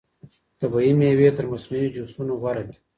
طبیعي مېوې تر مصنوعي جوسونو غوره دي.